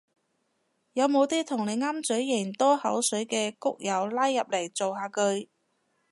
有冇啲同你啱嘴型多口水嘅谷友拉入嚟造下句